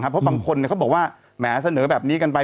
เพราะบางคนเขาบอกว่าแหมเสนอแบบนี้กันไป